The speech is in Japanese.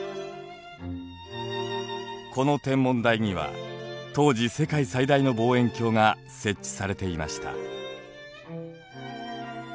この天文台には当時世界最大の望遠鏡が設置されていました。